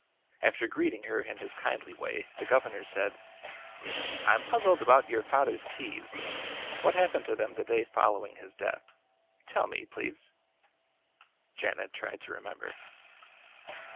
After greeting her in his kindly way the governor said: "I'm puzzled about your father's keys. What happened to them the day following his death? Tell me, please?" Janet tried to remember.